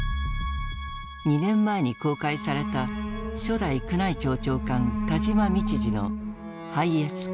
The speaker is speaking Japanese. ２年前に公開された初代宮内庁長官田島道治の「拝謁記」。